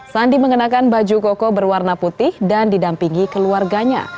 sandi mengenakan baju koko berwarna putih dan didampingi keluarganya